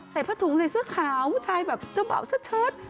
ใส่ผัดถุงใส่เสื้อขาวผู้ชายแบบเจ้าบ่าวสะเชิด